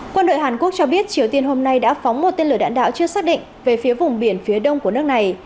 quân đội hàn quốc cho biết triều tiên hôm nay đã phóng một tên lửa đạn đạo chưa xác định về phía vùng biển phía đông của nước này